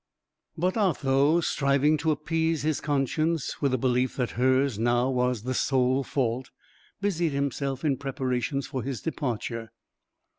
But Otho, striving to appease his conscience with the belief that hers now was the sole fault, busied himself in preparations for his departure.